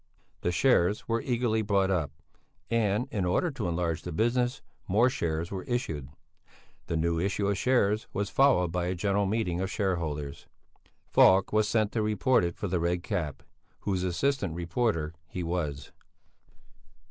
The shares were eagerly bought up, and, in order to enlarge the business, more shares were issued; the new issue of shares was followed by a general meeting of shareholders; Falk was sent to report it for the Red Cap, whose assistant reporter he was.